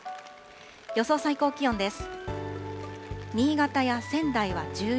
予想最高気温です。